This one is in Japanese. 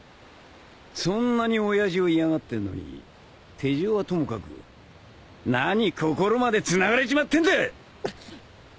そんなに親父を嫌がってるのに手錠はともかく何心までつながれちまってんだ！